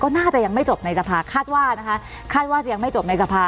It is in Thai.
น่าจะยังไม่จบในสภาคาดว่านะคะคาดว่าจะยังไม่จบในสภา